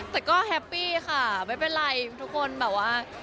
แต่ก็แฮปปี้ค่ะไม่เป็นไรทุกคนแบบว่า